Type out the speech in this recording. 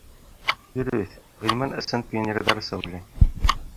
— Дөрөҫ, Ғилман ысын пионерҙарса уйлай.